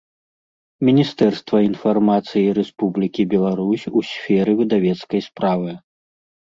Мiнiстэрства iнфармацыi Рэспублiкi Беларусь у сферы выдавецкай справы.